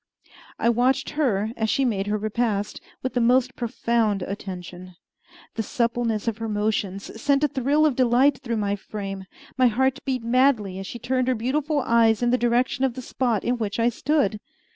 I watched her, as she made her repast, with the most profound attention. The suppleness of her motions sent a thrill of delight through my frame; my heart beat madly as she turned her beautiful eyes in the direction of the spot in which I stood.